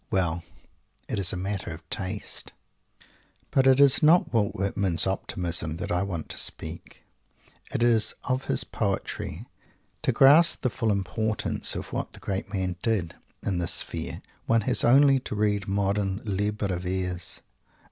Well! It is a matter of taste. But it is not of Walt Whitman's Optimism that I want to speak; it is of his poetry. To grasp the full importance of what this great man did in this sphere one has only to read modern "libre vers."